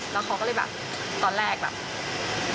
แล้วเขาก็เลยแบบตอนแรกแบบ